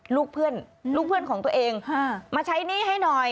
ลูกเพื่อนลูกเพื่อนของตัวเองมาใช้หนี้ให้หน่อย